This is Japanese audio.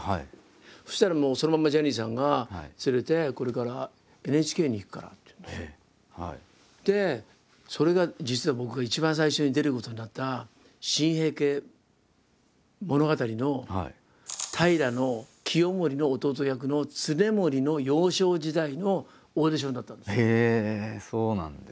そしたらもうそのままジャニーさんが連れてそれが実は僕が一番最初に出ることになった「新・平家物語」の平清盛の弟役の経盛の幼少時代のオーディションだったんです。